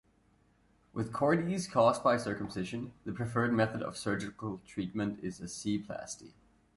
With chordees caused by circumcision, the preferred method of surgical treatment is a z-plasty.